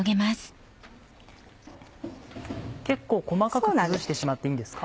結構細かく崩してしまっていいんですか？